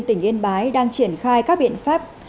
tỉnh yên bái đang triển khai các biện pháp